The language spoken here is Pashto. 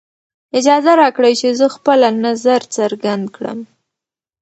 اجازه راکړئ چې زه خپله نظر څرګند کړم.